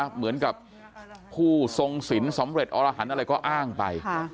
เหมือนกับผู้ทรงสินสำเร็จอรหันต์อะไรก็อ้างไป